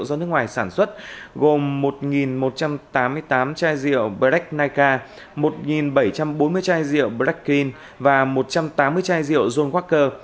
do nước ngoài sản xuất gồm một một trăm tám mươi tám chai rượu breck nica một bảy trăm bốn mươi chai rượu breck green và một trăm tám mươi chai rượu john walker